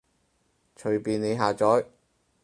隨便你下載